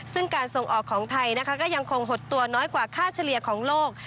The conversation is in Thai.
ซึ่งการส่งออกของไทยนะคะก็ยังคงหดตัวน้อยกว่าค่าเฉลี่ยของโลก